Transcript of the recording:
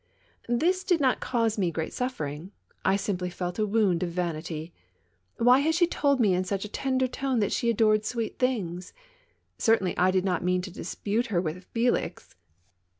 This did not cause me great suffering. I simply felt a wound of vanity. Why had she told me in such a tender tone that she adored sweet things? Certainly, I did not mean to dispute her with Felix.